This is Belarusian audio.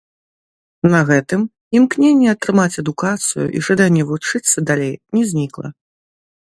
На гэтым імкненне атрымаць адукацыю і жаданне вучыцца далей не знікла.